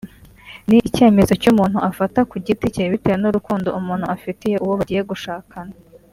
ni icyemezo cy’umuntu afata ku giti cye bitewe n’urukundo umuntu afitiye uwo bagiye gushakana